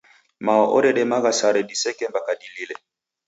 Mao oredemagha sare diseke mpaka dilile.